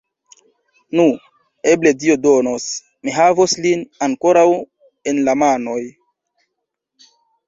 Nu, eble Dio donos, mi havos lin ankoraŭ en la manoj!